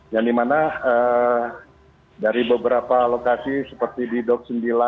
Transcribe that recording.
yang dimana dari beberapa lokasi seperti di dok sembilan